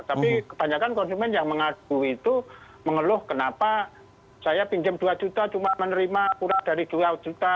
tapi kebanyakan konsumen yang mengaku itu mengeluh kenapa saya pinjam dua juta cuma menerima kurang dari dua juta